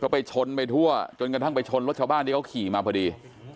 ไปชนไปทั่วจนกระทั่งไปชนรถชาวบ้านที่เขาขี่มาพอดี